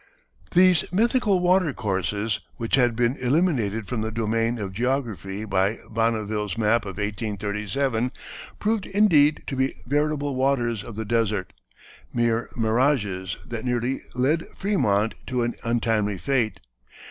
These mythical water courses, which had been eliminated from the domain of geography by Bonneville's map of 1837, proved indeed to be veritable waters of the desert, mere mirages that nearly led Frémont to an untimely fate.